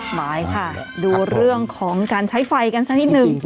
หมายค่ะดูเรื่องของการใช้ไฟกันสักนิดนึง